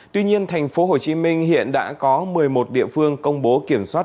tuy nhiên thành phố hồ chí minh hiện đã có một mươi một địa phương công bố kiểm soát